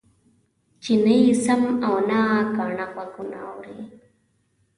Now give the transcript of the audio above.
چې نه يې سم او نه کاڼه غوږونه اوري.